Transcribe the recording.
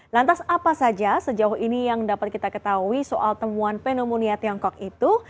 lantas apa saja sejauh ini yang dapat kita ketahui soal temuan pneumonia tiongkok itu